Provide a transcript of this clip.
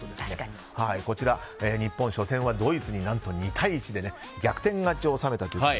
日本、初戦はドイツに何と２対１で逆転勝ちを収めたという。